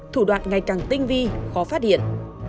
thủ đoạn ngày càng tinh vi khó phát hiện